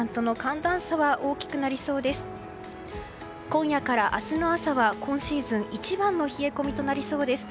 今夜から明日の朝は今シーズン一番の冷え込みとなりそうです。